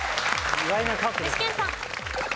具志堅さん。